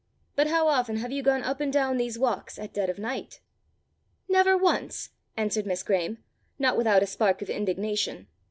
"But how often have you gone up and down these walks at dead of night?" "Never once," answered Miss Graeme, not without a spark of indignation.